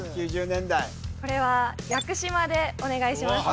９０年代これは屋久島でお願いします